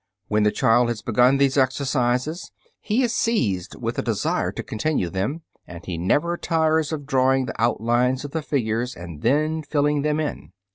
When the child has begun these exercises, he is seized with a desire to continue them, and he never tires of drawing the outlines of the figures and then filling them in.